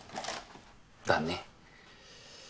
だね。